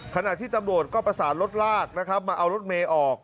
ขณะที่ตำรวจก็ประสานรถลากนะครับมาเอารถเมย์ออก